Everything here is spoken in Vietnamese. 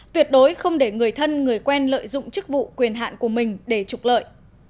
tuyệt đối không để người thân người quen lợi dụng chức vụ quyền hạn của mình để trục lợi